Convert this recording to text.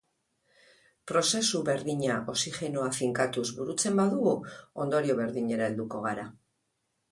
Prozesu berdina oxigenoa finkatuz burutzen badugu, ondorio berdinera helduko gara.